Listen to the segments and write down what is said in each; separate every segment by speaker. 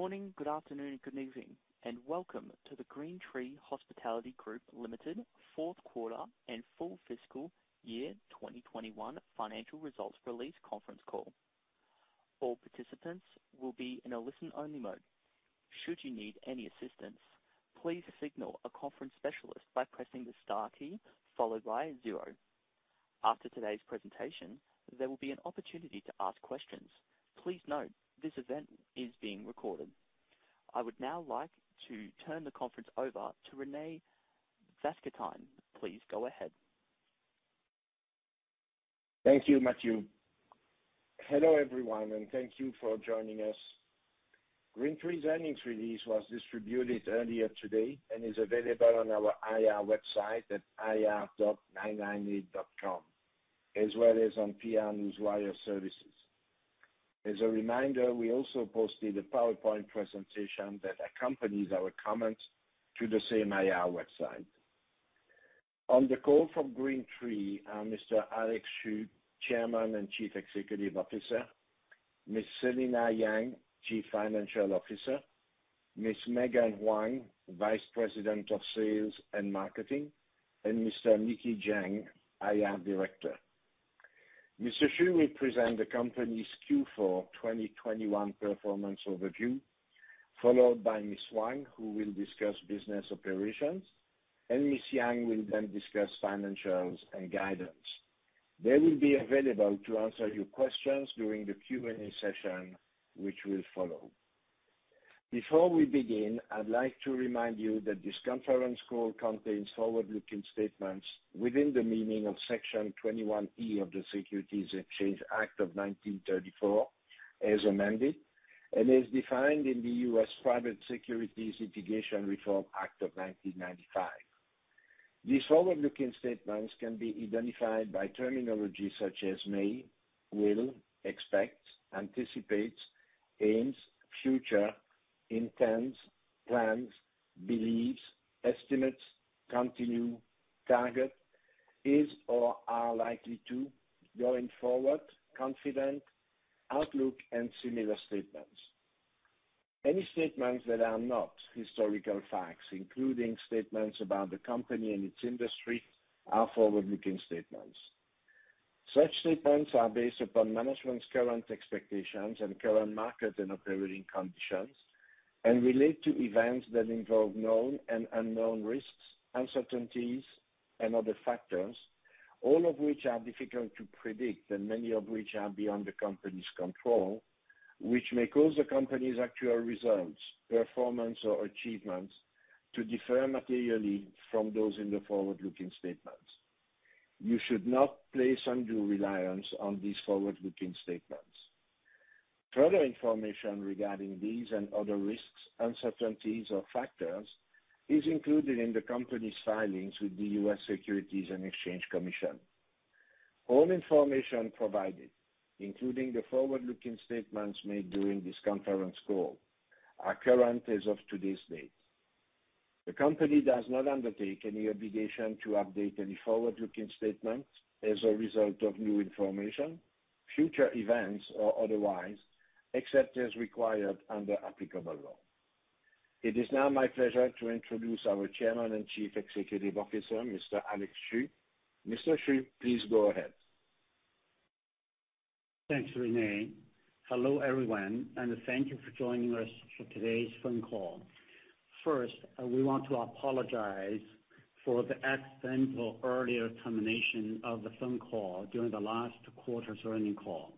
Speaker 1: Morning, good afternoon, and good evening, and welcome to the GreenTree Hospitality Group Ltd Q4 and Full Fiscal Year 2021 Financial Results Release Conference Call. All participants will be in a listen-only mode. Should you need any assistance, please signal a conference specialist by pressing the star key followed by zero. After today's presentation, there will be an opportunity to ask questions. Please note this event is being recorded. I would now like to turn the conference over to Rene Vanguestaine. Please go ahead.
Speaker 2: Thank you, Matthew. Hello, everyone, and thank you for joining us. GreenTree's earnings release was distributed earlier today and is available on our IR website at ir.998.com, as well as on PR Newswire services. As a reminder, we also posted a PowerPoint presentation that accompanies our comments to the same IR website. On the call from GreenTree are Mr. Alex Xu, Chairman and Chief Executive Officer, Ms. Selina Yang, Chief Financial Officer, Ms. Megan Huang, Vice President of Sales and Marketing, and Mr. Nicky Jiang, IR Director. Mr. Xu will present the company's Q4 2021 performance overview, followed by Ms. Huang, who will discuss business operations, and Ms. Yang will then discuss financials and guidance. They will be available to answer your questions during the Q&A session, which will follow. Before we begin, I'd like to remind you that this conference call contains forward-looking statements within the meaning of Section 21E of the Securities Exchange Act of 1934, as amended, and is defined in the U.S. Private Securities Litigation Reform Act of 1995. These forward-looking statements can be identified by terminology such as may, will, expect, anticipate, aims, future, intends, plans, believes, estimates, continue, target, is or are likely to, going forward, confident, outlook, and similar statements. Any statements that are not historical facts, including statements about the company and its industry, are forward-looking statements. Such statements are based upon management's current expectations and current market and operating conditions and relate to events that involve known and unknown risks, uncertainties, and other factors, all of which are difficult to predict and many of which are beyond the company's control, which may cause the company's actual results, performance, or achievements to differ materially from those in the forward-looking statements. You should not place undue reliance on these forward-looking statements. Further information regarding these and other risks, uncertainties, or factors is included in the company's filings with the US Securities and Exchange Commission. All information provided, including the forward-looking statements made during this conference call, are current as of today's date. The company does not undertake any obligation to update any forward-looking statements as a result of new information, future events, or otherwise, except as required under applicable law. It is now my pleasure to introduce our Chairman and Chief Executive Officer, Mr. Alex Xu. Mr. Xu, please go ahead.
Speaker 3: Thanks, Rene. Hello, everyone, and thank you for joining us for today's phone call. First, we want to apologize for the accidental earlier termination of the phone call during the last quarter's earnings call.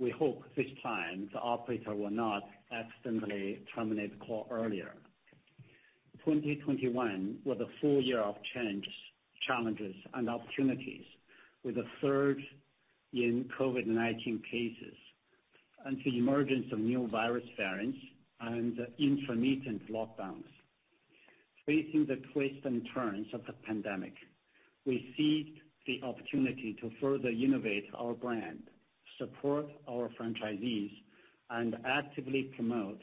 Speaker 3: We hope this time the operator will not accidentally terminate the call earlier. 2021 was a full year of change, challenges, and opportunities, with a surge in COVID-19 cases and the emergence of new virus variants and intermittent lockdowns. Facing the twists and turns of the pandemic, we seized the opportunity to further innovate our brand, support our franchisees, and actively promote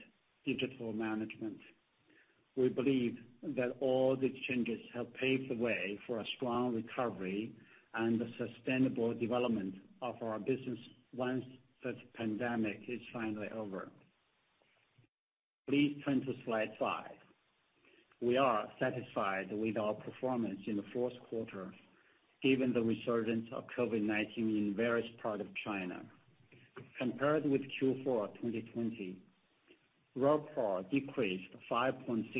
Speaker 3: digital management. We believe that all these changes have paved the way for a strong recovery and the sustainable development of our business once this pandemic is finally over. Please turn to slide five. We are satisfied with our performance in the Q4, given the resurgence of COVID-19 in various parts of China. Compared with Q4 2020, RevPAR decreased 5.6%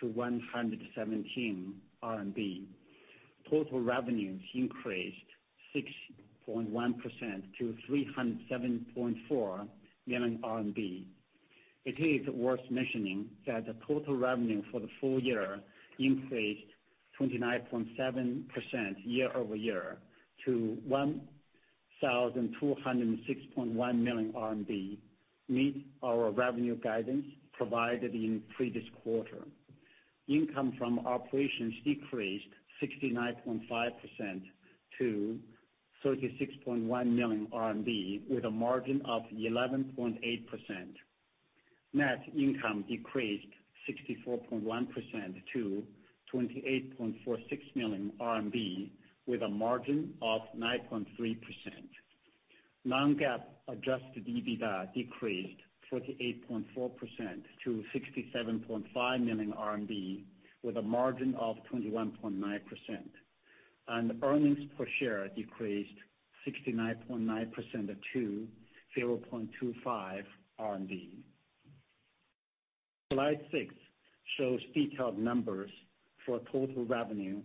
Speaker 3: to 117 RMB. Total revenues increased 6.1% to 307.4 million RMB. It is worth mentioning that the total revenue for the full year increased 29.7% year-over-year to 1,206.1 million RMB, meeting our revenue guidance provided in previous quarter. Income from operations decreased 69.5% to 36.1 million RMB with a margin of 11.8%. Net income decreased 64.1% to 38.46 million RMB with a margin of 9.3%. Non-GAAP adjusted EBITDA decreased 48.4% to 67.5 million RMB, with a margin of 21.9%. Earnings per share decreased 69.9% to RMB 0.25. Slide six shows detailed numbers for total revenue,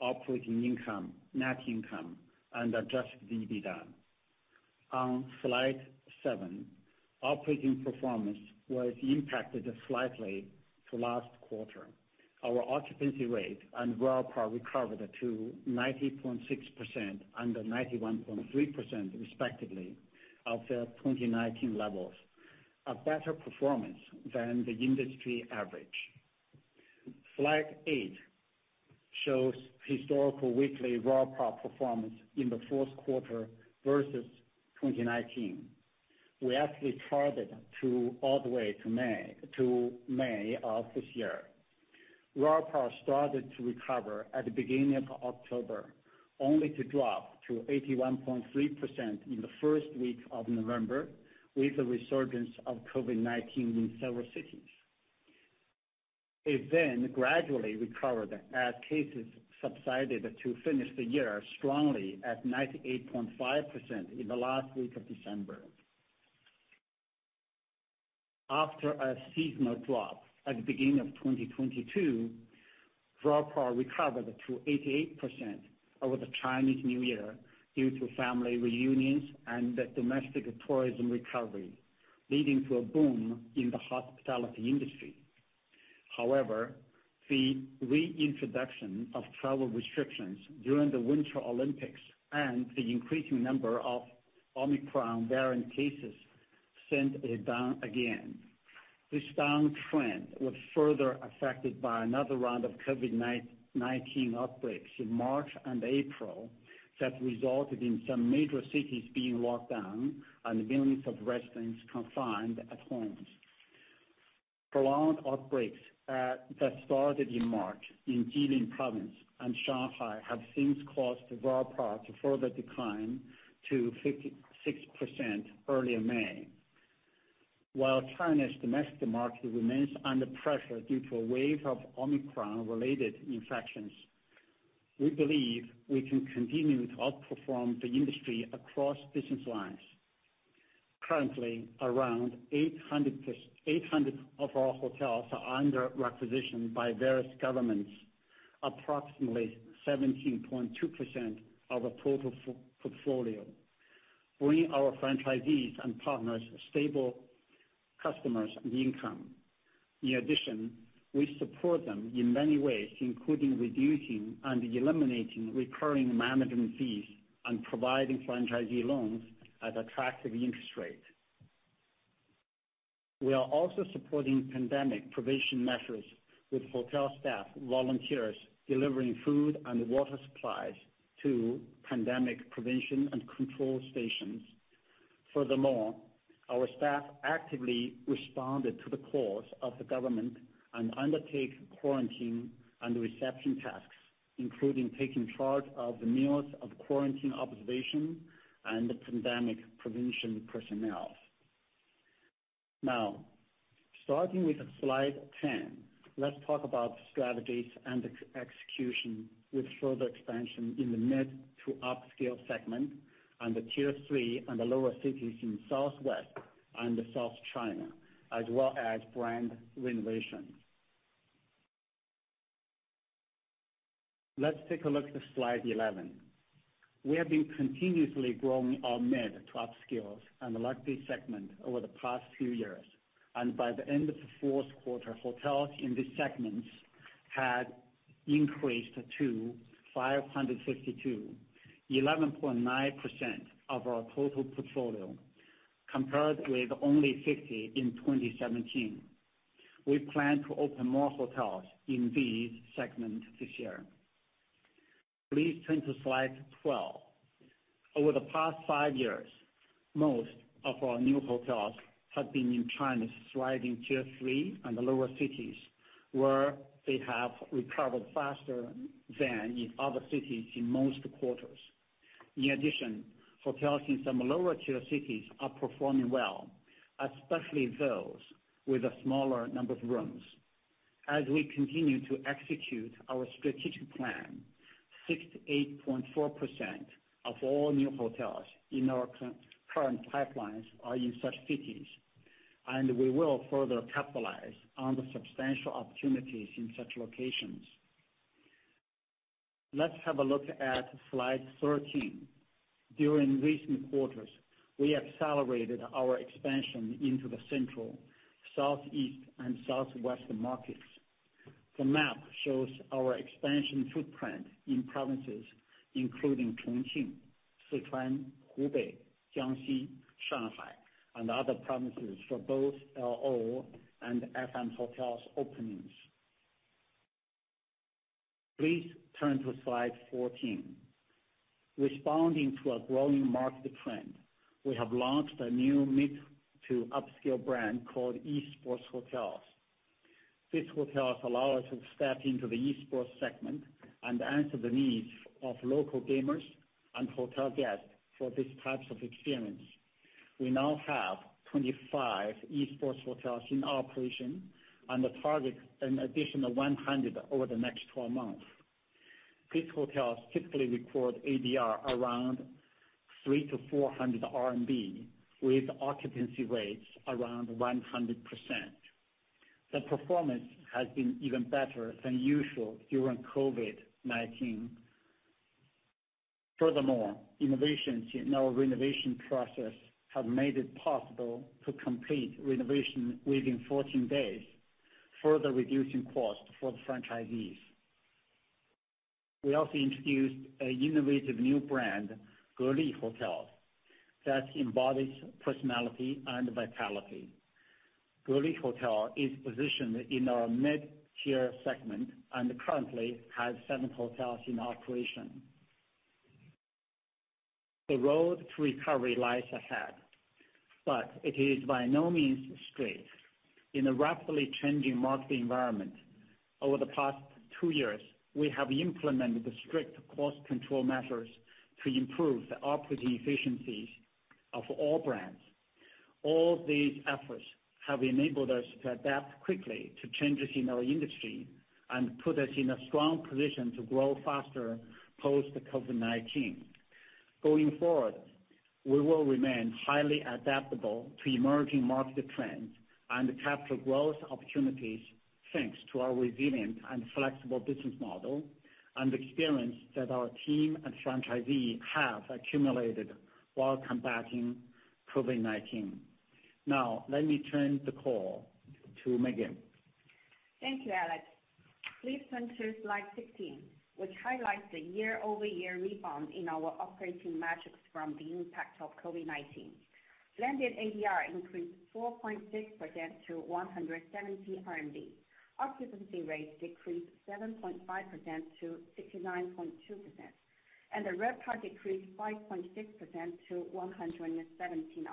Speaker 3: operating income, net income and adjusted EBITDA. On slide seven, operating performance was impacted slightly compared to last quarter. Our occupancy rate and RevPAR recovered to 90.6% and 91.3% respectively of the 2019 levels, a better performance than the industry average. Slide eight shows historical weekly RevPAR performance in the Q4 versus 2019. We actually charted it all the way to May of this year. RevPAR started to recover at the beginning of October, only to drop to 81.3% in the first week of November with the resurgence of COVID-19 in several cities. It then gradually recovered as cases subsided to finish the year strongly at 98.5% in the last week of December. After a seasonal drop at the beginning of 2022, RevPAR recovered to 88% over the Chinese New Year due to family reunions and domestic tourism recovery, leading to a boom in the hospitality industry. However, the reintroduction of travel restrictions during the Winter Olympics and the increasing number of Omicron variant cases sent it down again. This down trend was further affected by another round of COVID-19 outbreaks in March and April that resulted in some major cities being locked down and millions of residents confined at homes. Prolonged outbreaks that started in March in Jilin Province and Shanghai have since caused RevPAR to further decline to 56% early in May. While China's domestic market remains under pressure due to a wave of Omicron-related infections, we believe we can continue to outperform the industry across business lines. Currently, around 800 of our hotels are under requisition by various governments, approximately 17.2% of a total portfolio, bringing our franchisees and partners stable customers and income. In addition, we support them in many ways, including reducing and eliminating recurring management fees and providing franchisee loans at attractive interest rate. We are also supporting pandemic prevention measures, with hotel staff volunteers delivering food and water supplies to pandemic prevention and control stations. Furthermore, our staff actively responded to the calls of the government and undertake quarantine and reception tasks, including taking charge of the meals of quarantine observation and pandemic prevention personnel. Now, starting with slide 10, let's talk about strategies and execution with further expansion in the mid-to-upscale segment and the Tier 3 and lower cities in southwest and South China, as well as brand renovation. Let's take a look at slide 11. We have been continuously growing our mid-to-upscale and luxury segment over the past few years, and by the end of the Q4, hotels in these segments had increased to 552, 11.9% of our total portfolio, compared with only 50 in 2017. We plan to open more hotels in these segments this year. Please turn to slide 12. Over the past five years, most of our new hotels have been in China's thriving Tier 3 and lower cities, where they have recovered faster than in other cities in most quarters. In addition, hotels in some lower tier cities are performing well, especially those with a smaller number of rooms. As we continue to execute our strategic plan, 68.4% of all new hotels in our current pipelines are in such cities, and we will further capitalize on the substantial opportunities in such locations. Let's have a look at slide 13. During recent quarters, we accelerated our expansion into the central, southeast and southwest markets. The map shows our expansion footprint in provinces including Chongqing, Sichuan, Hubei, Jiangxi, Shanghai and other provinces for both L&O and FM hotels openings. Please turn to slide 14. Responding to a growing market trend, we have launched a new mid-to-upscale brand called e-sports hotels. These hotels allow us to step into the e-sports segment and answer the needs of local gamers and hotel guests for these types of experience. We now have 25 e-sports hotels in operation and target an additional 100 over the next 12 months. These hotels typically record ADR around 300-400 RMB, with occupancy rates around 100%. The performance has been even better than usual during COVID-19. Furthermore, innovations in our renovation process have made it possible to complete renovation within 14 days, further reducing costs for the franchisees. We also introduced an innovative new brand, Goli Hotel, that embodies personality and vitality. Goli Hotel is positioned in our mid-tier segment and currently has seven hotels in operation. The road to recovery lies ahead, but it is by no means straight. In a rapidly changing market environment over the past two years, we have implemented strict cost control measures to improve the operating efficiencies of all brands. All these efforts have enabled us to adapt quickly to changes in our industry and put us in a strong position to grow faster post COVID-19. Going forward, we will remain highly adaptable to emerging market trends and capture growth opportunities, thanks to our resilient and flexible business model and experience that our team and franchisee have accumulated while combating COVID-19. Now, let me turn the call to Megan.
Speaker 4: Thank you, Alex. Please turn to slide 15, which highlights the year-over-year rebound in our operating metrics from the impact of COVID-19. Landed ADR increased 4.6% to 170 RMB. Occupancy rates decreased 7.5% to 69.2%, and the RevPAR decreased 5.6% to 117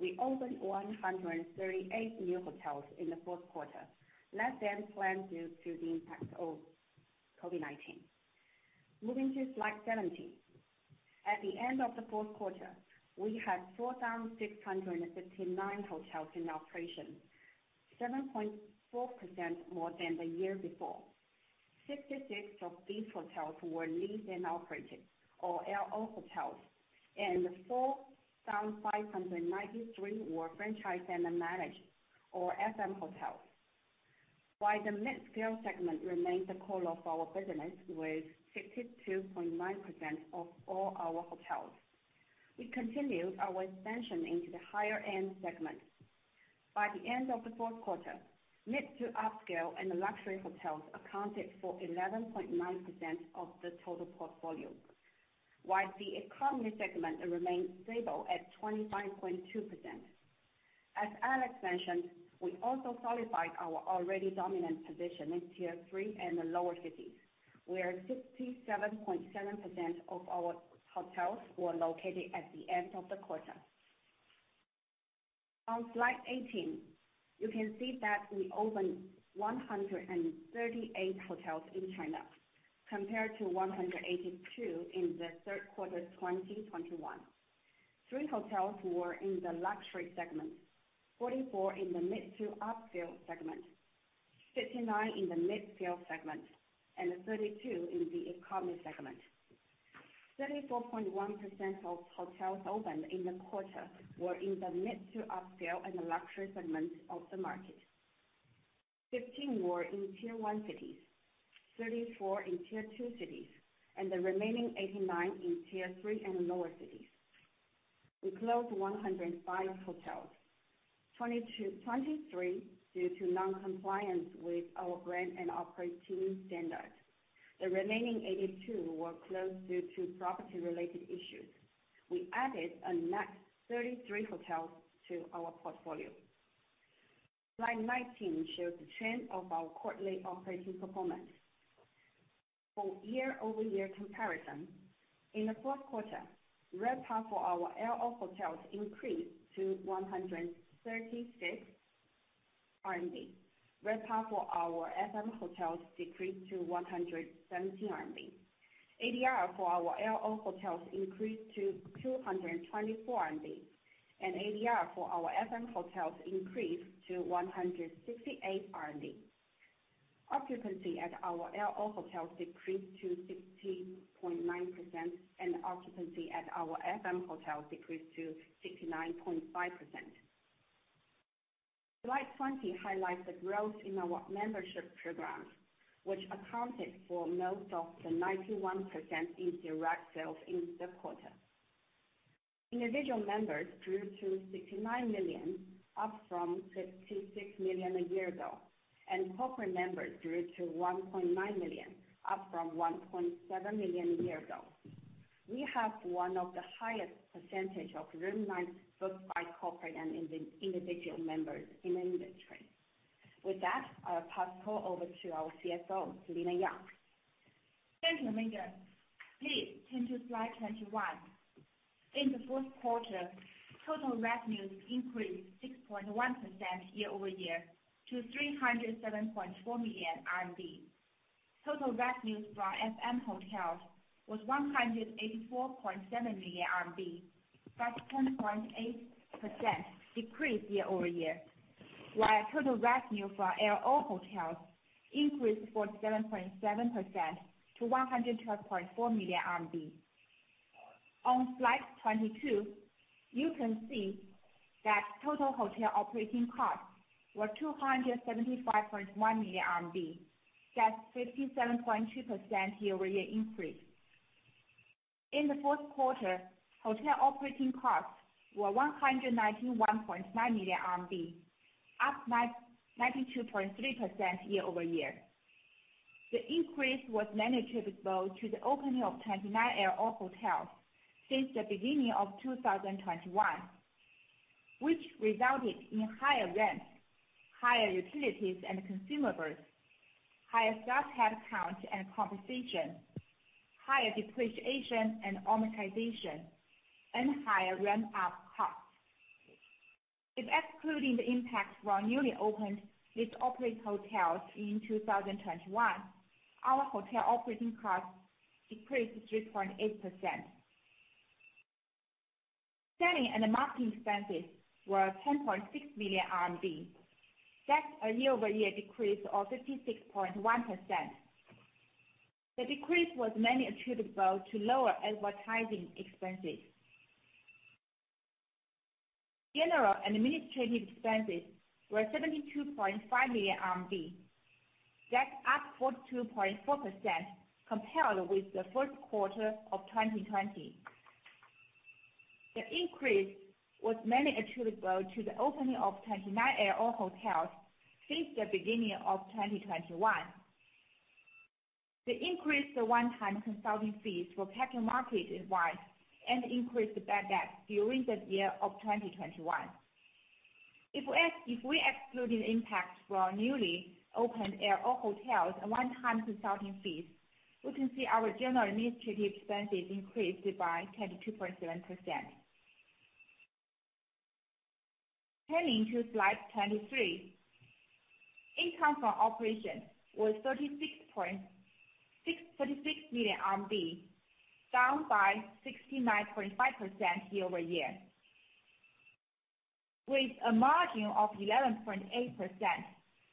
Speaker 4: RMB. We opened 138 new hotels in the Q4, less than planned due to the impact of COVID-19. Moving to slide 17. At the end of the Q4, we had 4,659 hotels in operation, 7.4% more than the year before. 66 of these hotels were leased and operated, or L&O hotels, and 4,593 were franchised and managed, or FM hotels. While the mid-scale segment remains the core of our business with 62.9% of all our hotels, we continued our expansion into the higher end segment. By the end of the Q4, mid to upscale and luxury hotels accounted for 11.9% of the total portfolio. While the economy segment remains stable at 25.2%. As Alex mentioned, we also solidified our already dominant position in Tier 3 and the lower cities, where 67.7% of our hotels were located at the end of the quarter. On slide 18, you can see that we opened 138 hotels in China compared to 182 in the Q3 2021. Three hotels were in the luxury segment, 44 in the mid to upscale segment, 59 in the mid-scale segment and 32 in the economy segment. 34.1% of hotels opened in the quarter were in the mid-to-upscale and the luxury segment of the market. 15 were in Tier 1 cities, 34 in Tier 2 cities, and the remaining 89 in Tier 3 and lower cities. We closed 105 hotels. 23 due to non-compliance with our brand and operating standards. The remaining 82 were closed due to property-related issues. We added a net 33 hotels to our portfolio. Slide 19 shows the trend of our quarterly operating performance. For year-over-year comparison, in the Q4, RevPAR for our L&O hotels increased to 136 RMB. RevPAR for our FM hotels decreased to 117 RMB. ADR for our L&O hotels increased to 224 RMB, and ADR for our FM hotels increased to 168 RMB. Occupancy at our L&O hotels decreased to 60.9%, and occupancy at our FM hotels decreased to 69.5%. Slide 20 highlights the growth in our membership programs, which accounted for most of the 91% in direct sales in the quarter. Individual members grew to 69 million, up from 56 million a year ago, and corporate members grew to 1.9 million, up from 1.7 million a year ago. We have one of the highest percentage of room nights booked by corporate and individual members in the industry. With that, I'll pass the call over to our CFO, Selina Yang.
Speaker 5: Thank you, Megan. Please turn to slide 21. In the Q4, total revenues increased 6.1% year-over-year to 307.4 million RMB. Total revenues from FM hotels was 184.7 million RMB, that's 10.8% decrease year-over-year. While total revenue for L&O hotels increased 47.7% to 112.4 million RMB. On slide 22, you can see that total hotel operating costs were 275.1 million RMB. That's 57.2% year-over-year increase. In the Q4, hotel operating costs were 191.9 million RMB, up 92.3% year-over-year. The increase was mainly attributable to the opening of 29 L&O hotels since the beginning of 2021, which resulted in higher rent, higher utilities and consumables, higher staff headcount and compensation, higher depreciation and amortization, and higher ramp-up costs. If excluding the impact from newly opened lease operated hotels in 2021, our hotel operating costs decreased 3.8%. Selling and marketing expenses were 10.6 million RMB. That's a year-over-year decrease of 56.1%. The decrease was mainly attributable to lower advertising expenses. General and administrative expenses were 72.5 million RMB. That's up 42.4% compared with the Q4 of 2020. The increase was mainly attributable to the opening of 29 L&O hotels since the beginning of 2021. The increase of one-time consulting fees for Beijing market-wide and increased bad debt during the year of 2021. If we excluded the impact from our newly opened L&O hotels and one-time consulting fees, we can see our general and administrative expenses increased by 22.7%. Turning to slide 23. Income from operations was 36 million RMB, down by 69.5% year-over-year. With a margin of 11.8%,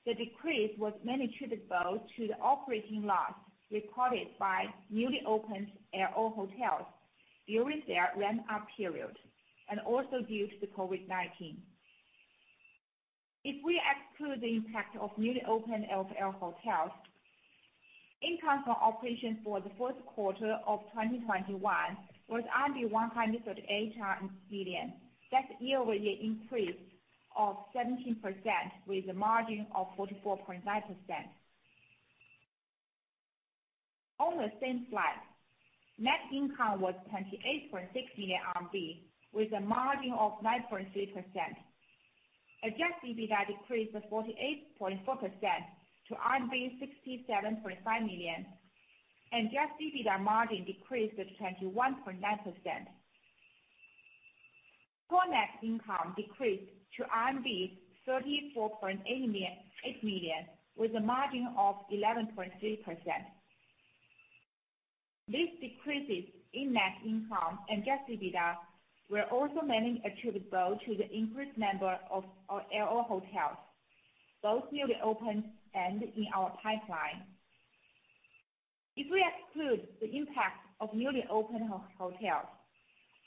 Speaker 5: the decrease was mainly attributable to the operating loss reported by newly opened L&O hotels during their ramp-up period, and also due to the COVID-19. If we exclude the impact of newly opened L&O hotels, income from operations for the Q4 of 2021 was 138 million. That's year-over-year increase of 17% with a margin of 44.5%. On the same slide, net income was 28.6 million RMB with a margin of 9.3%. Adjusted EBITDA decreased 48.4% to RMB 67.5 million, and adjusted EBITDA margin decreased to 21.9%. Core net income decreased to RMB 34.8 million with a margin of 11.3%. These decreases in net income and adjusted EBITDA were also mainly attributable to the increased number of L&O hotels, both newly opened and in our pipeline. If we exclude the impact of newly opened hotels,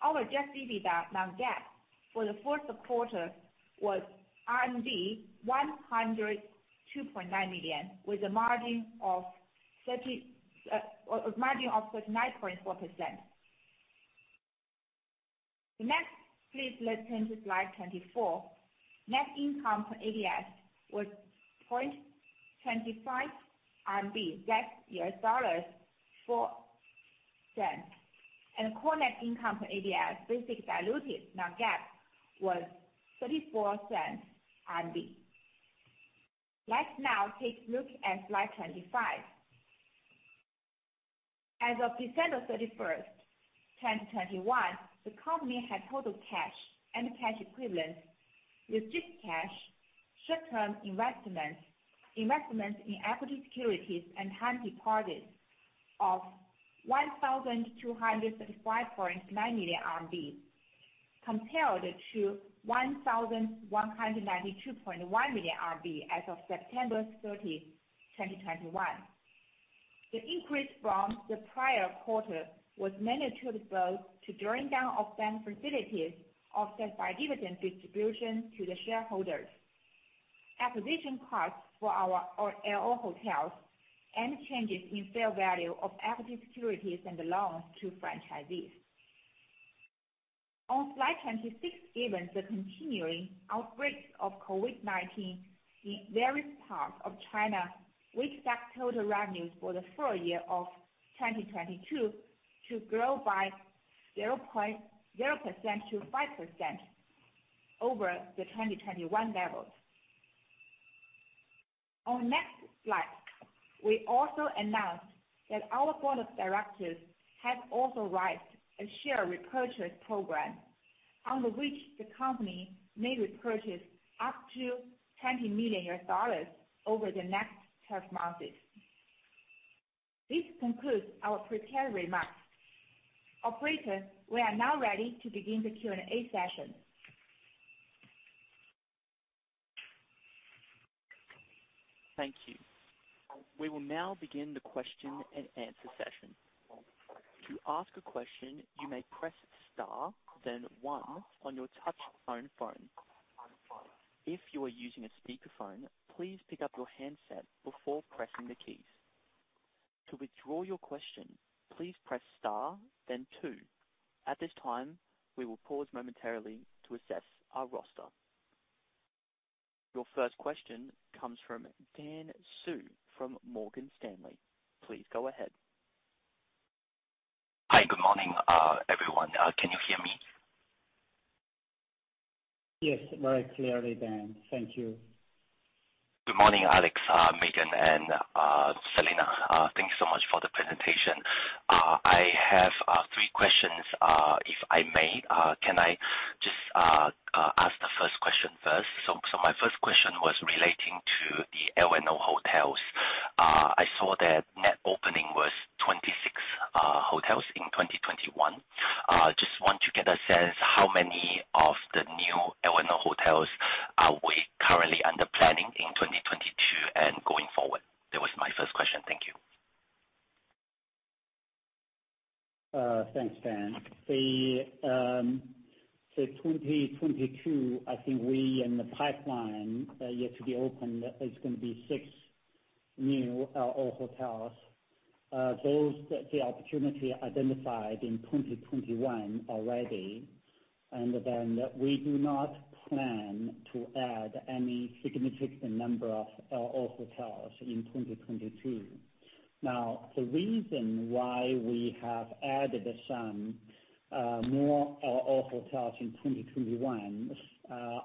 Speaker 5: our adjusted EBITDA non-GAAP for the Q4 was RMB 102.9 million, with a margin of 39.4%. Next, please let's turn to slide 24. Net income per ADS was RMB 0.25. That's $0.04. Core net income per ADS basic diluted non-GAAP was 0.34. Let's now take a look at slide 25. As of December 31, 2021, the company had total cash and cash equivalents with just cash, short-term investments in equity securities and time deposits of 1,235.9 million RMB, compared to 1,192.1 million RMB as of September 30, 2021. The increase from the prior quarter was mainly attributable to drawing down of bank facilities offset by dividend distribution to the shareholders, acquisition costs for our L&O hotels, and changes in fair value of equity securities and loans to franchisees. On slide 26, given the continuing outbreaks of COVID-19 in various parts of China, we expect total revenues for the full year of 2022 to grow by 0.0%-5% over the 2021 levels. On next slide, we also announced that our board of directors has authorized a share repurchase program under which the company may repurchase up to $20 million over the next 12 months. This concludes our prepared remarks. Operator, we are now ready to begin the Q&A session.
Speaker 1: Thank you. We will now begin the question and answer session. To ask a question, you may press star then one on your touchtone phone. If you are using a speakerphone, please pick up your handset before pressing the keys. To withdraw your question, please press star then two. At this time, we will pause momentarily to assemble our roster. Your first question comes from Dan Xu from Morgan Stanley. Please go ahead.
Speaker 6: Hi. Good morning, everyone. Can you hear me?
Speaker 3: Yes, very clearly, Dan. Thank you.
Speaker 6: Good morning, Alex, Megan, and Selina. Thank you so much for the presentation. I have three questions, if I may. Can I just ask the first question first? My first question was relating to the L&O hotels. I saw that net opening was 26 hotels in 2021. Just want to get a sense how many of the new L&O hotels are we currently under planning in 2022 and going forward? That was my first question. Thank you.
Speaker 3: Thanks, Dan. The 2022, I think we in the pipeline yet to be opened is going to be six new L&O hotels. Those that the opportunity identified in 2021 already, and then we do not plan to add any significant number of L&O hotels in 2022. Now, the reason why we have added some more L&O hotels in 2021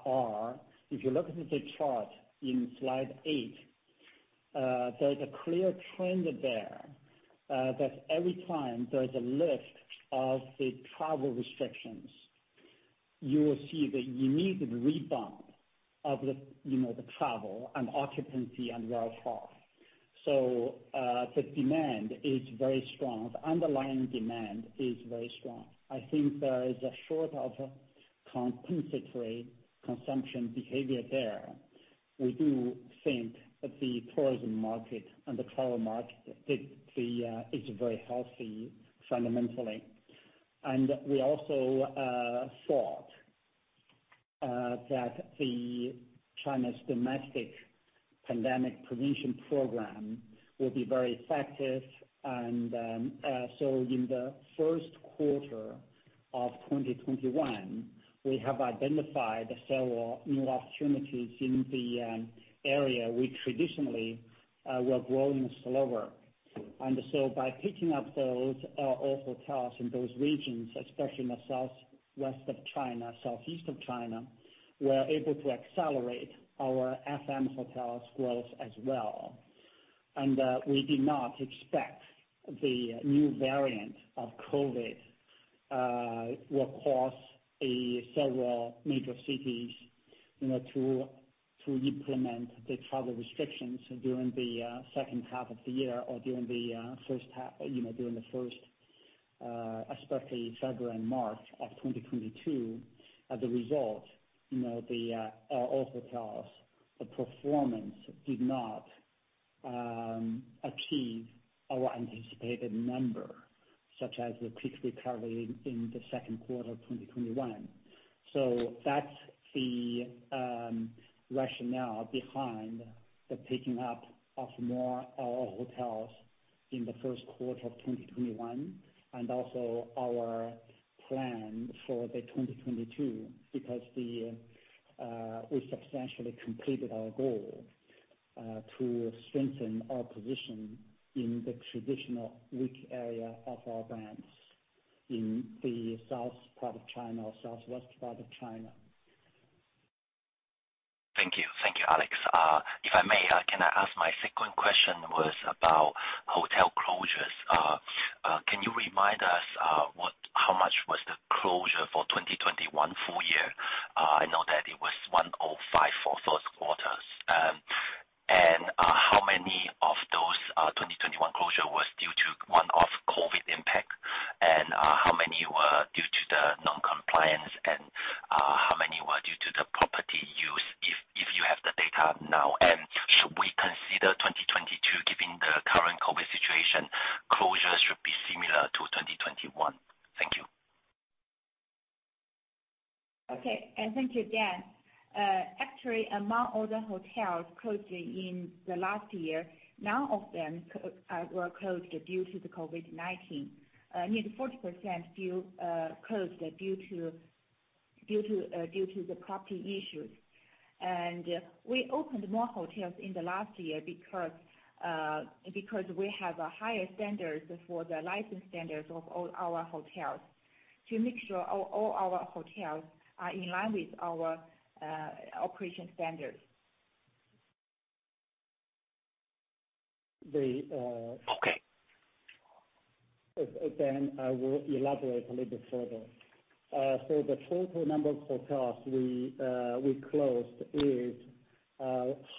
Speaker 3: are if you look at the chart in slide eight, there's a clear trend there that every time there's a lift of the travel restrictions, you will see the unique rebound of the, you know, the travel and occupancy and RevPAR. The demand is very strong. The underlying demand is very strong. I think there is a sort of compensatory consumption behavior there. We do think that the tourism market and the travel market is very healthy fundamentally. We also thought that China's domestic pandemic prevention program will be very effective. In the Q1 of 2021, we have identified several new opportunities in the area we traditionally were growing slower. By picking up those L&O hotels in those regions, especially in the southwest of China, southeast of China, we are able to accelerate our FM hotels growth as well. We did not expect the new variant of COVID will cause several major cities, you know, to implement the travel restrictions during the second half of the year or during the first half, you know, especially February and March of 2022. As a result, you know, the L&O hotels, the performance did not achieve our anticipated number, such as the quick recovery in the Q2 of 2021. That's the rationale behind the picking up of more L&O hotels in the Q1 of 2021, and also our plan for 2022 because we substantially completed our goal to strengthen our position in the traditional weak area of our brands in the south part of China or southwest part of China.
Speaker 6: Thank you, Alex. If I may, can I ask my second question was about hotel closures. Can you remind us, what, how much was the closure for 2021 full year? I know that it was 105 for Q1. And, how many of those, 2021 closure was due to one-off COVID impact, and, how many were due to the non-compliance, and, how many were due to the property use, if you have the data now? Should we consider 2022, given the current COVID situation, closures should be similar to 2021? Thank you.
Speaker 5: Okay. Thank you, Dan. Actually, among all the hotels closing in the last year, none of them were closed due to the COVID-19. Nearly 40% closed due to the property issues. We opened more hotels in the last year because we have higher standards for the licensing standards of all our hotels to make sure all our hotels are in line with our operation standards.
Speaker 3: The, uh.
Speaker 6: Okay.
Speaker 3: Dan, I will elaborate a little bit further. The total number of hotels we closed is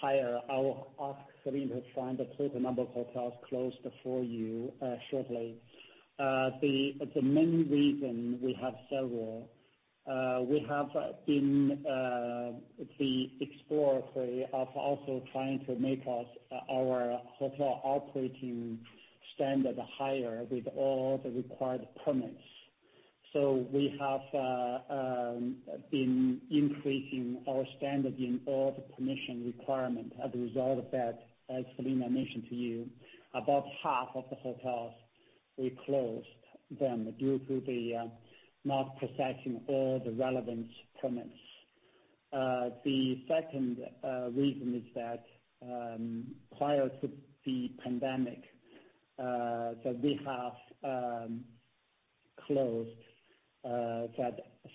Speaker 3: higher. I will ask Selina to find the total number of hotels closed for you shortly. The main reason we have several. We have been exploratory in also trying to make our hotel operating standard higher with all the required permits. We have been increasing our standard in all the permit requirement. As a result of that, as Selina mentioned to you, about half of the hotels we closed them due to not possessing all the relevant permits. The second reason is that, prior to the pandemic, we have closed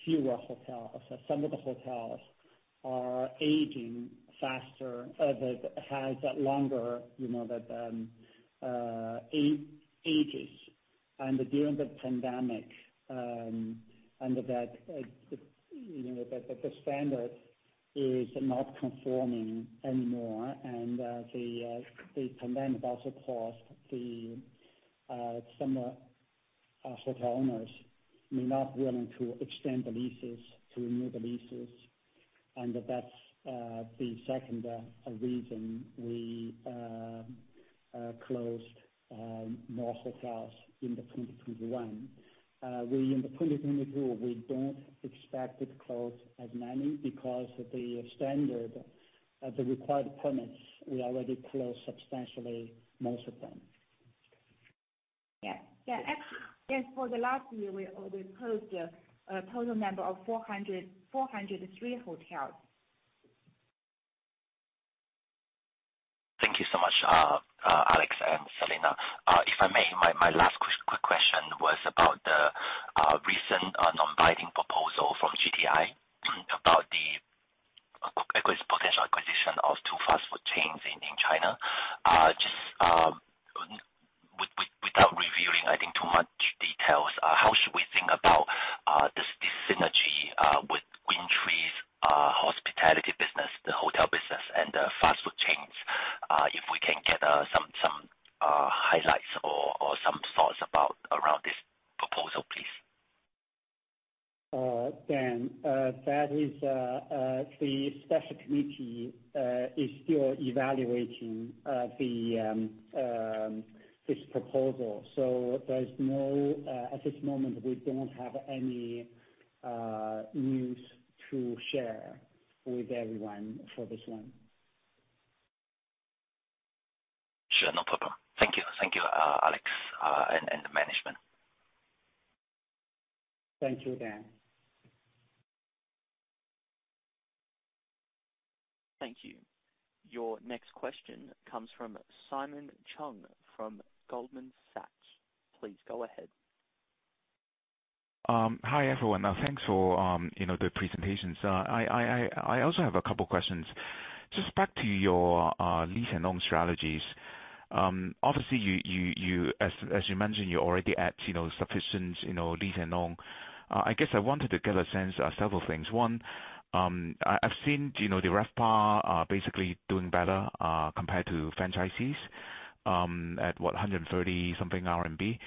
Speaker 3: fewer hotels. Some of the hotels are aging faster, that has that longer, you know, that ages. During the pandemic, and that, you know, the standard is not conforming anymore. The pandemic also caused some hotel owners may not be willing to extend the leases, to renew the leases. That's the second reason we closed more hotels in 2021. We in 2022, we don't expect to close as many because the standard of the required permits, we already closed substantially most of them.
Speaker 5: As for the last year, we closed a total number of 403 hotels.
Speaker 6: Thank you so much, Alex and Selina. If I may, my last question
Speaker 7: Just back to your lease and own strategies. Obviously, you as you mentioned, you're already at, you know, sufficient, you know, lease and own. I guess I wanted to get a sense of several things. One, I've seen, you know, the RevPAR basically doing better compared to franchisees at 130-something RMB.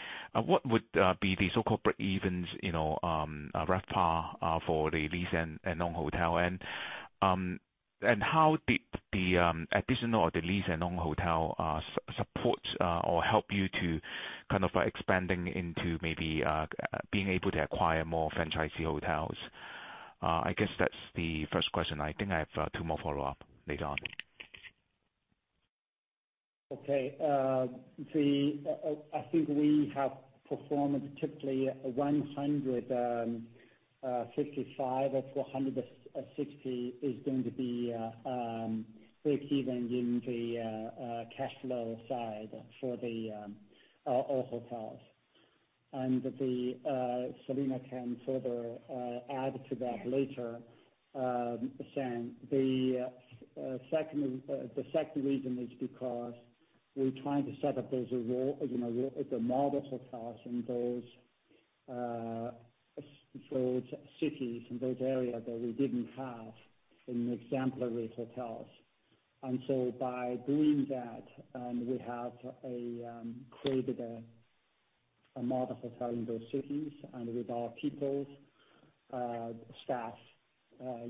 Speaker 7: What would be the so-called breakevens, you know, RevPAR for the lease and own hotel? How did the additional of the lease and own hotel support or help you to kind of expanding into maybe being able to acquire more franchisee hotels? I guess that's the first question. I think I have two more follow-up later on.
Speaker 3: Okay. I think we have performed typically 155 or 460 is going to be breakeven in the cash flow side for the owned hotels. Selina can further add to that later. Simon, the second reason is because we're trying to set up those, you know, the model hotels in those cities, in those areas that we didn't have an exemplary hotels. By doing that, we have created a model hotel in those cities and with our peoples, staff,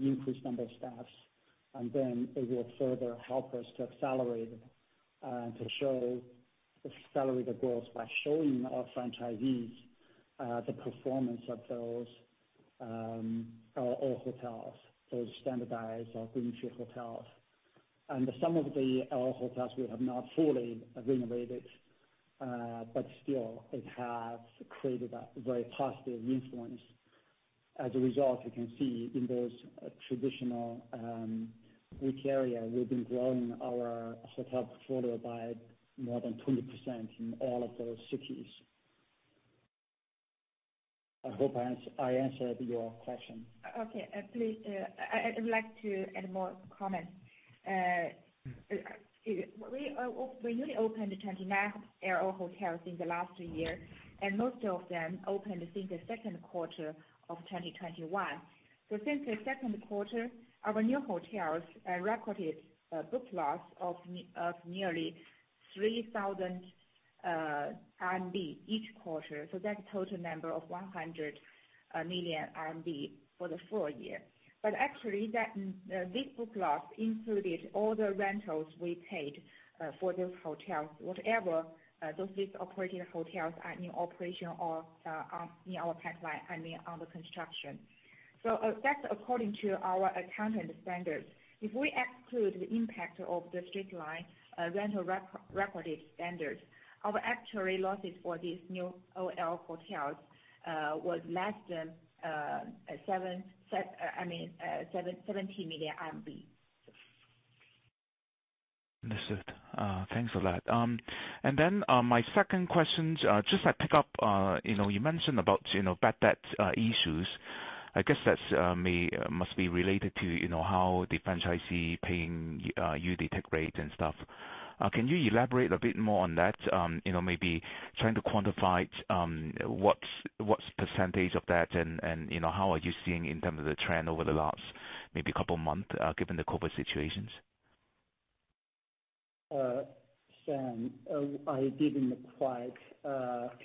Speaker 3: increased number of staffs, and then it will further help us to accelerate the growth by showing our franchisees the performance of those our owned hotels, those standardized or GreenTree hotels. Some of the L&O hotels we have not fully renovated, but still it has created a very positive influence. As a result, you can see in those traditional rich area, we've been growing our hotel portfolio by more than 20% in all of those cities. I hope I answered your question.
Speaker 5: I would like to add more comment. We're newly opened 29 L&O hotels in the last year, and most of them opened since the Q2 of 2021. Since the Q2, our new hotels recorded book loss of nearly 3,000 RMB each quarter. That's total number of 100 million RMB for the full year. But actually, this book loss included all the rentals we paid for those hotels, whatever those lease operating hotels are in operation or in our pipeline and under construction. That's according to our accounting standards. If we exclude the impact of the straight-line rental recorded standard, our actual losses for these new L&O hotels was less than 70 million RMB.
Speaker 7: Understood. Thanks a lot. My second questions, just to pick up, you know, you mentioned about, you know, bad debt issues. I guess that's must be related to, you know, how the franchisee paying, you the tech rate and stuff. Can you elaborate a bit more on that? You know, maybe trying to quantify, what's percentage of that and, you know, how are you seeing in terms of the trend over the last maybe couple of months, given the COVID situations?
Speaker 3: Simon, I didn't quite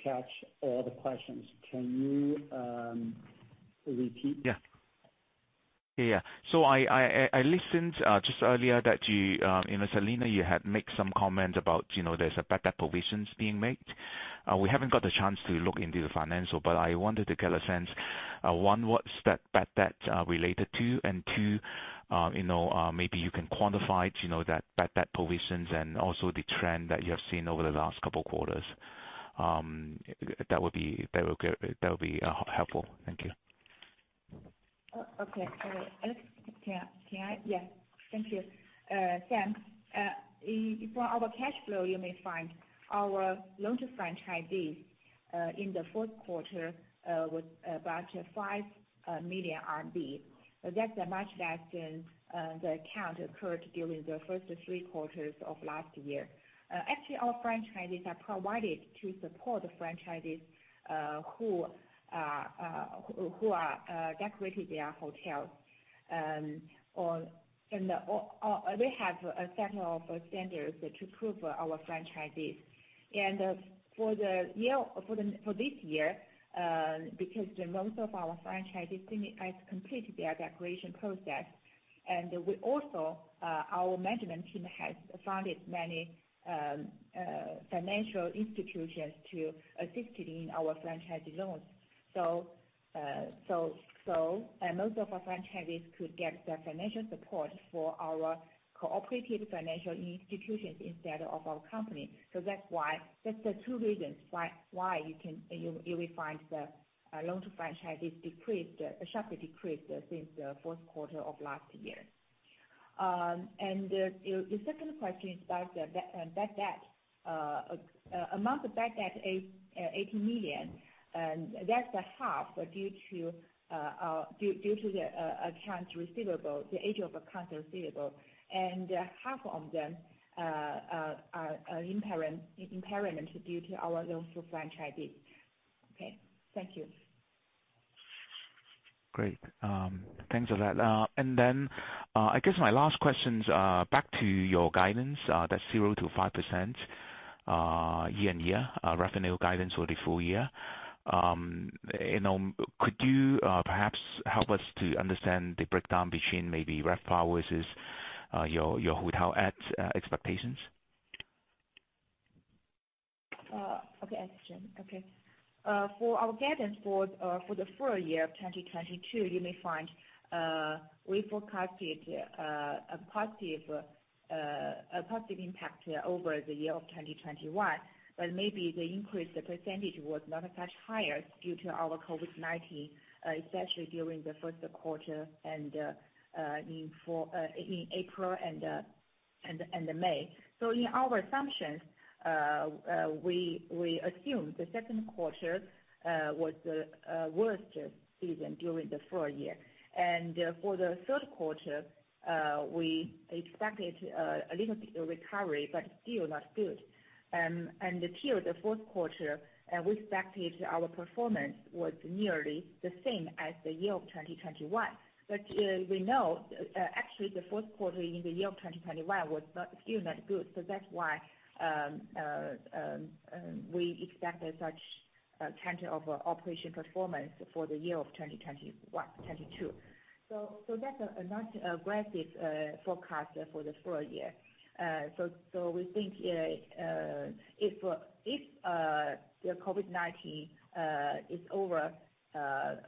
Speaker 3: catch all the questions. Can you repeat?
Speaker 7: Yeah, I listened just earlier that you know, Selina, you had made some comments about you know, there's bad debt provisions being made. We haven't got the chance to look into the financials, but I wanted to get a sense, one, what's that bad debt related to? And two, you know, maybe you can quantify you know, that bad debt provisions and also the trend that you have seen over the last couple quarters. That would be helpful. Thank you.
Speaker 5: Okay. Thank you. Simon, for our cash flow, you may find our loan to franchisees in the Q4 was about 5 million RMB. That's much less than the amount accrued during the first three quarters of last year. Actually, our franchisees are provided to support the franchisees who are decorating their hotels. They have a set of standards to approve our franchisees. For this year, because most of our franchisees seem has completed their decoration process, and we also, our management team has funded many financial institutions to assist in our franchisee loans. Most of our franchisees could get their financial support from our cooperative financial institutions instead of our company. That's why, that's the two reasons why you will find the loan to franchisees decreased sharply since the Q4 of last year. The second question is about the bad debt. Amount of bad debt is 80 million, and that's half due to the aging of accounts receivable. Half of them are impairment due to our loans to franchisees. Okay. Thank you.
Speaker 7: Great. Thanks a lot. I guess my last questions back to your guidance, that's 0%-5% year-on-year revenue guidance for the full year. You know, could you perhaps help us to understand the breakdown between maybe RevPAR versus your hotel adds expectations?
Speaker 5: Okay. I understand. Okay. For our guidance for the full year of 2022, you may find we forecasted a positive impact over the year of 2021, but maybe the increase, the percentage was not that much higher due to our COVID-19, especially during the Q1 and in April and May. In our assumptions, we assumed the Q2 was the worst season during the full year. For the Q3, we expected a little bit of recovery, but still not good. Till the Q4, we expected our performance was nearly the same as the year of 2021. We know, actually, the Q4 in the year of 2021 was still not good. That's why we expect such trend of operational performance for the year of 2022. That's not an aggressive forecast for the full year. We think, if the COVID-19 is over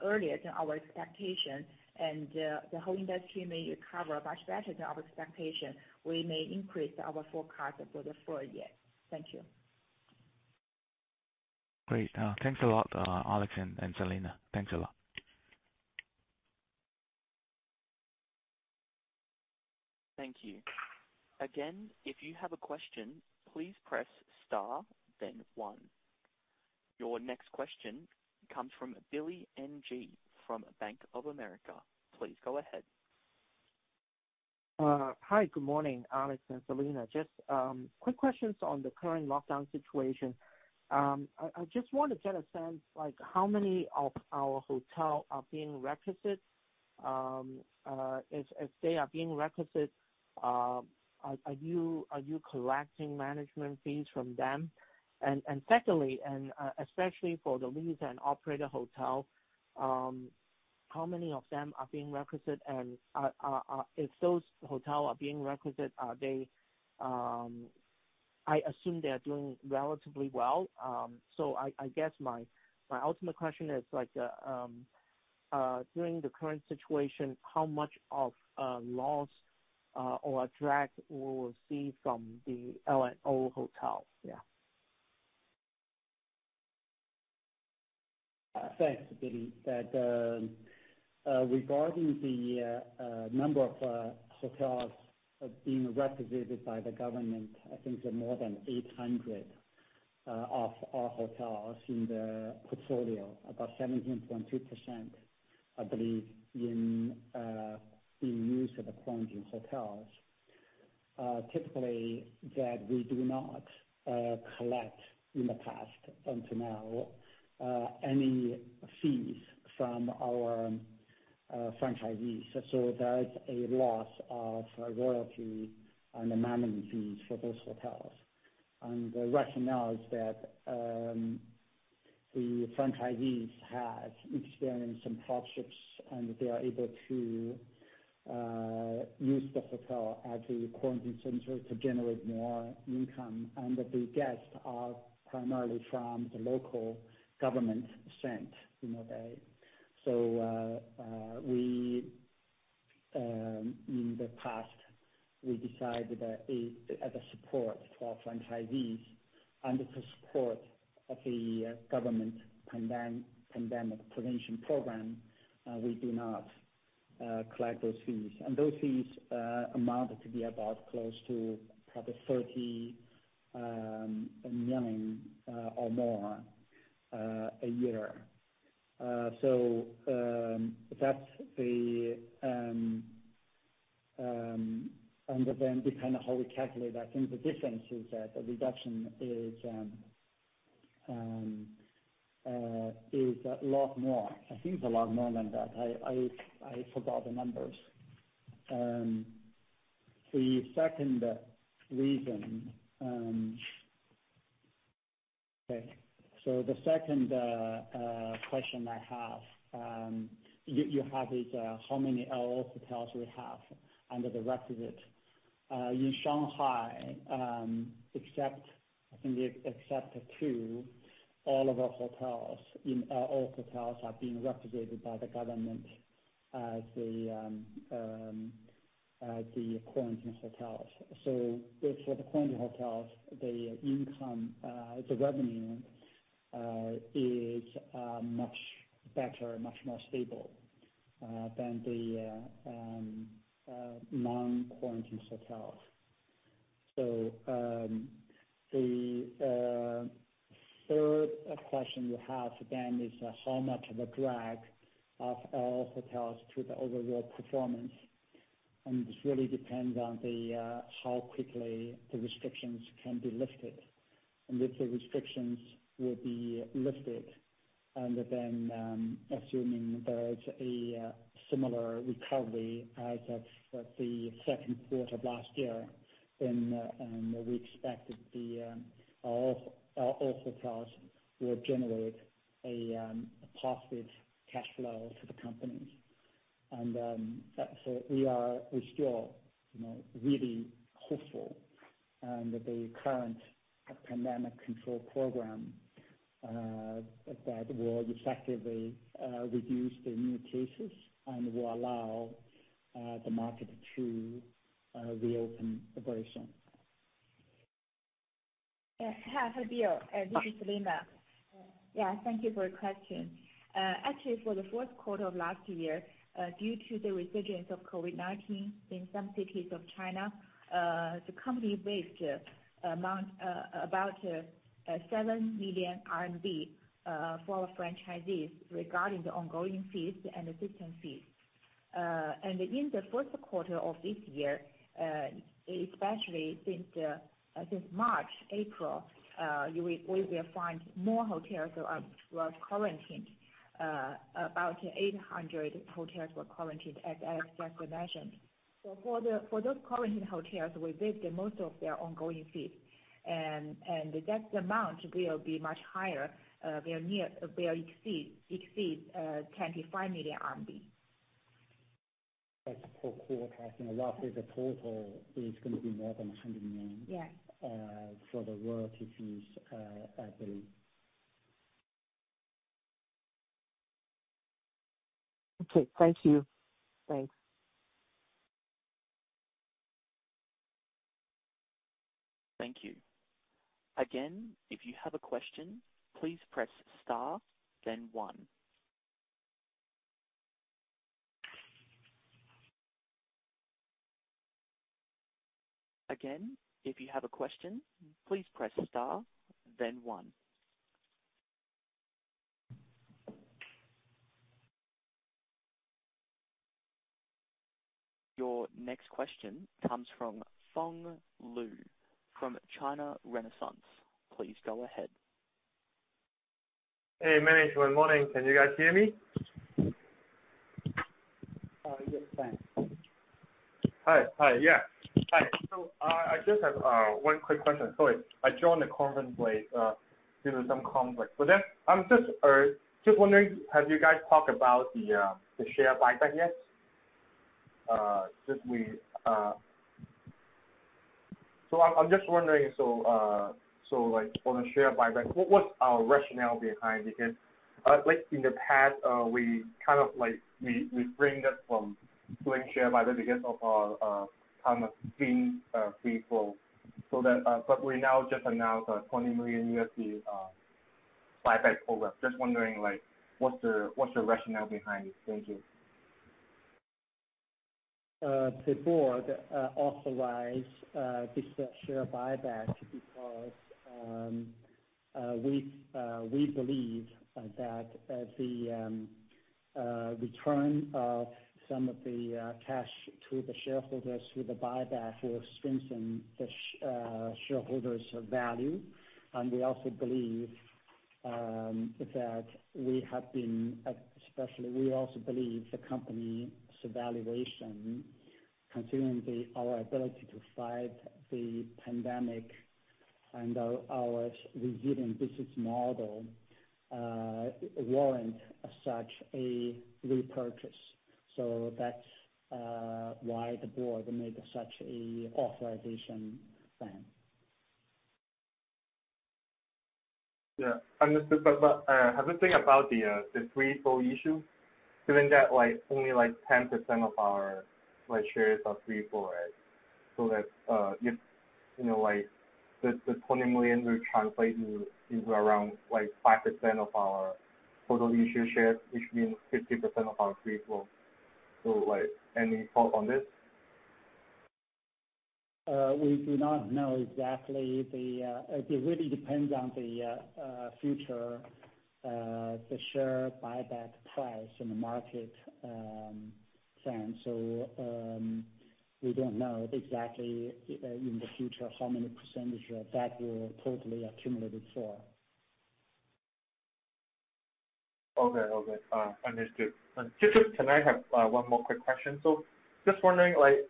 Speaker 5: earlier than our expectation and the whole industry may recover much better than our expectation, we may increase our forecast for the full year. Thank you.
Speaker 7: Great. Thanks a lot, Alex and Selina. Thanks a lot.
Speaker 1: Thank you. Again, if you have a question, please press star then one. Your next question comes from Billy Ng from Bank of America. Please go ahead.
Speaker 8: Hi, good morning, Alex and Selina. Just quick questions on the current lockdown situation. I just want to get a sense, like how many of our hotels are being requisitioned? If they are being requisitioned, are you collecting management fees from them? Secondly, especially for the leased-and-operated hotels, how many of them are being requisitioned and if those hotels are being requisitioned, are they? I assume they are doing relatively well. So I guess my ultimate question is like, during the current situation, how much of a loss or a drag we will see from the L&O hotels.
Speaker 3: Thanks, Billy. That regarding the number of hotels as being requisitioned by the government, I think they're more than 800 of our hotels in the portfolio, about 17.2%, I believe, in use as quarantine hotels. Typically that we do not collect in the past until now any fees from our franchisees. So that's a loss of royalty and the management fees for those hotels. The rationale is that the franchisees has experienced some hardships, and they are able to use the hotel as a quarantine center to generate more income, and that the guests are primarily from the local government sent, you know, they. In the past, we decided that as a support to our franchisees and as a support of the government pandemic prevention program, we do not collect those fees. Those fees amount to be about close to probably 30 million or more a year. Depending on how we calculate that, I think the difference is that the reduction is a lot more. I think it's a lot more than that. I forgot the numbers. The second reason. The second question you have is how many L&O hotels we have under the requisite. In Shanghai, except I think two, all of our hotels have been requisitioned by the government as the quarantine hotels. For the quarantine hotels, the income, the revenue is much better, much more stable than the non-quarantine hotels. The third question you have then is how much of a drag of L&O hotels to the overall performance. This really depends on how quickly the restrictions can be lifted. If the restrictions will be lifted, and then assuming there is a similar recovery as of the Q2 of last year, then we expect that the L&O hotels will generate a positive cash flow to the company. We're still, you know, really hopeful and the current pandemic control program that will effectively reduce the new cases and will allow the market to reopen very soon.
Speaker 5: Yeah. Hi, Billy. This is Selina. Yeah, thank you for your question. Actually, for the Q4 of last year, due to the resurgence of COVID-19 in some cities of China, the company waived amount about 7 million RMB for our franchisees regarding the ongoing fees and assistance fees. In the Q1 of this year, especially since March, April, we will find more hotels were quarantined. About 800 hotels were quarantined as Alex mentioned. For those quarantined hotels, we waived the most of their ongoing fees and that amount will be much higher, will exceed 25 million RMB.
Speaker 3: That's per quarter. I think roughly the total is going to be more than 100 million.
Speaker 6: Yes.
Speaker 3: For the royalty fees, I believe.
Speaker 8: Okay. Thank you. Thanks.
Speaker 1: Thank you. Again, if you have a question, please press star then one. Your next question comes from Don Lau from China Renaissance. Please go ahead.
Speaker 9: Hey, Manny. Good morning. Can you guys hear me?
Speaker 3: Yes, Don.
Speaker 9: Hi. I just have one quick question. Sorry, I joined the conference late due to some conflict. I'm just wondering, have you guys talked about the share buyback yet? I'm just wondering, so like for the share buyback, what's our rationale behind? Because, like in the past, we kind of refrained from doing share buyback because of our kind of low free float. We now just announced a $20 million buyback program. Just wondering like what's the rationale behind it? Thank you.
Speaker 3: The board authorize this share buyback because we believe that the return of some of the cash to the shareholders through the buyback will strengthen the shareholders value. We also believe the company's valuation considering our ability to fight the pandemic and our resilient business model warrant such a repurchase. That's why the board made such a authorization plan.
Speaker 9: Yeah. Understood. How do you think about the free float issue, given that like only like 10% of our like shares are free float, right? That you know like the 20 million will translate into around like 5% of our total issued shares, which means 50% of our free float. Like any thought on this?
Speaker 3: We do not know exactly. It really depends on the future, the share buyback price in the market plan. We don't know exactly in the future how many percentage of that will totally accumulated for.
Speaker 9: Okay. Understood. Just, can I have one more quick question? Just wondering, like,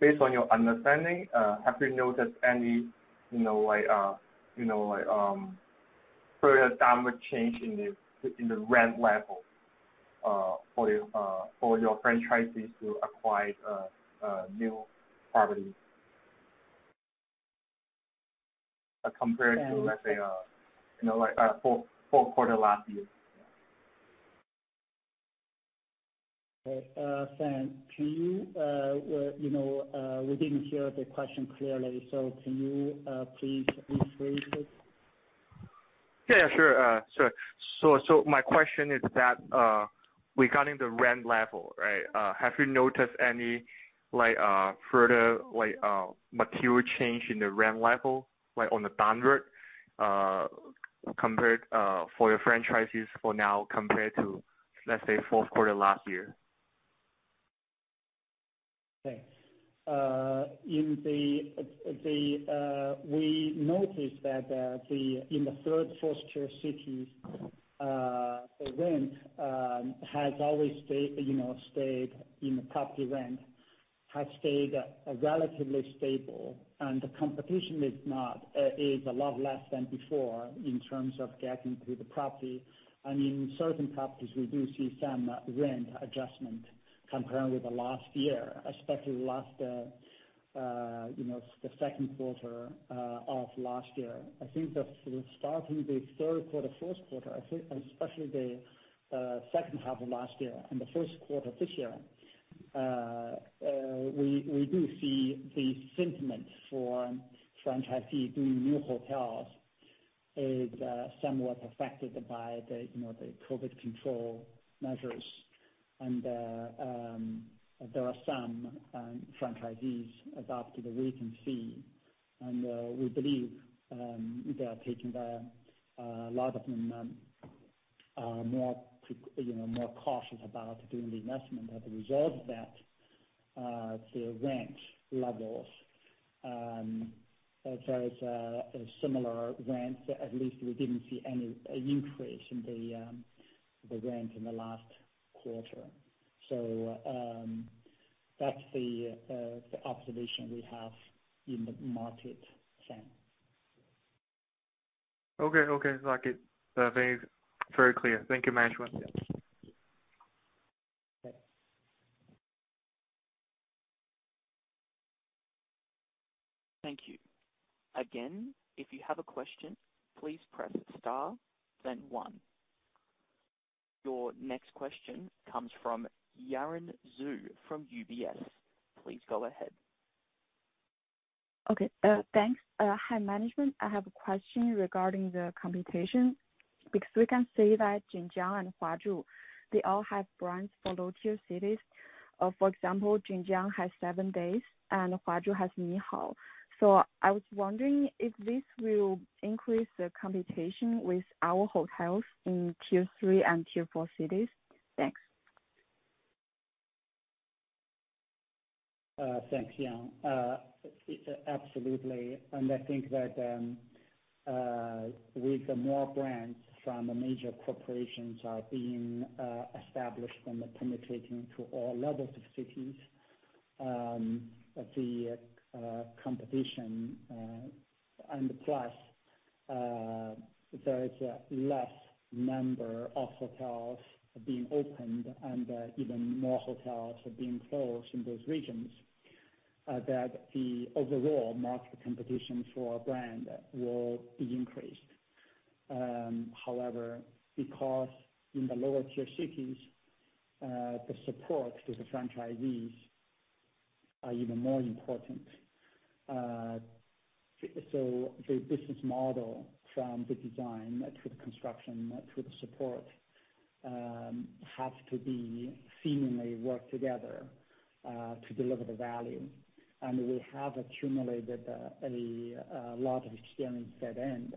Speaker 9: based on your understanding, have you noticed any, you know, like, further downward change in the rent level for your franchisees to acquire new properties? Compared to.
Speaker 3: Yeah.
Speaker 9: Let's say, you know, like, Q4 last year.
Speaker 3: Okay. Don, can you know, we didn't hear the question clearly, so can you, please rephrase it?
Speaker 9: Yeah, sure. So my question is that regarding the rent level, right? Have you noticed any like further like material change in the rent level, like on the downward compared for your franchisees for now compared to, let's say, Q4 last year?
Speaker 3: We noticed that in the third, fourth tier cities, the rent has always stayed, you know, property rent has stayed relatively stable, and the competition is a lot less than before in terms of getting to the property. In certain properties we do see some rent adjustment compared with the last year, especially the Q2 of last year. I think that starting the Q3, Q4, I think especially the second half of last year and the Q1 of this year, we do see the sentiment for franchisee doing new hotels is somewhat affected by the COVID control measures. There are some franchisees adopted a wait and see. We believe a lot of them are more, you know, more cautious about doing the investment. As a result of that, the rent levels, there is a similar rent. At least we didn't see any increase in the rent in the last quarter. That's the observation we have in the market plan.
Speaker 9: Okay. Got it. Very clear. Thank you, management.
Speaker 1: Thank you. Again, if you have a question, please press star then one. Your next question comes from Yaran Zhu from UBS. Please go ahead.
Speaker 10: Okay. Thanks. Hi, management. I have a question regarding the competition, because we can see that Jin Jiang and Huazhu, they all have brands for low-tier cities. For example, Jinjiang has 7 Days Inn and Huazhu has NiHao Hotel. So I was wondering if this will increase the competition with our hotels in tier three and tier four cities. Thanks.
Speaker 3: Thanks, Yaran. Absolutely. I think that with the more brands from the major corporations are being established and penetrating to all levels of cities, the competition and plus there is a less number of hotels being opened and even more hotels are being closed in those regions that the overall market competition for our brand will be increased. However, because in the lower tier cities the support to the franchisees are even more important. The business model from the design to the construction to the support have to be seamlessly work together to deliver the value. We have accumulated a lot of experience at end.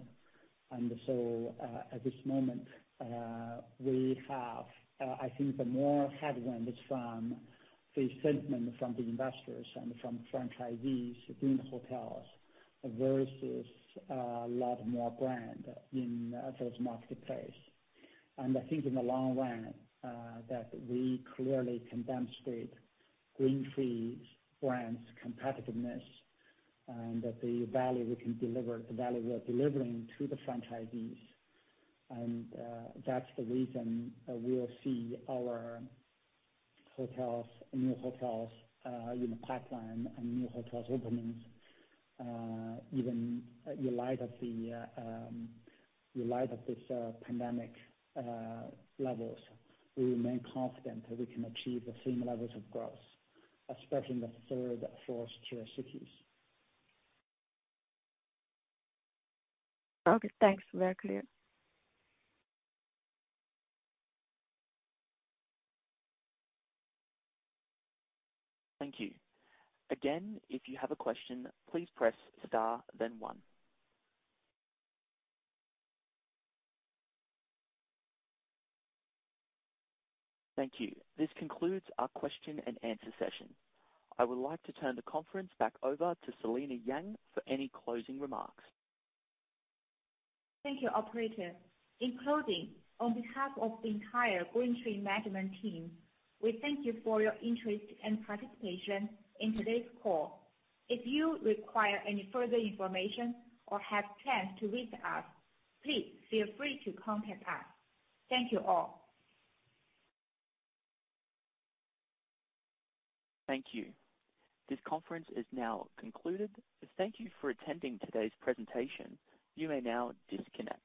Speaker 3: At this moment, we have. I think the more headwinds from the sentiment from the investors and from franchisees in the hotels versus lot more brand in those marketplace. I think in the long run, that we clearly demonstrate GreenTree brand's competitiveness, and that the value we can deliver, the value we are delivering to the franchisees. That's the reason we'll see our hotels, new hotels, in the pipeline and new hotels openings, even in light of this pandemic levels. We remain confident that we can achieve the same levels of growth, especially in the third and fourth tier cities.
Speaker 10: Okay, thanks. Very clear.
Speaker 1: Thank you. Again, if you have a question, please press star then one. Thank you. This concludes our question and answer session. I would like to turn the conference back over to Selina Yang for any closing remarks.
Speaker 5: Thank you, operator. In closing, on behalf of the entire GreenTree management team, we thank you for your interest and participation in today's call. If you require any further information or have plans to reach us, please feel free to contact us. Thank you all.
Speaker 1: Thank you. This conference is now concluded. Thank you for attending today's presentation. You may now disconnect.